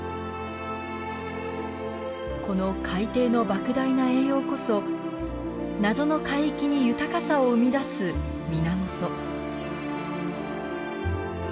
この海底のばく大な栄養こそ謎の海域に豊かさを生み出す源。